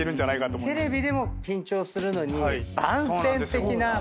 テレビでも緊張するのに番宣的なものですよね。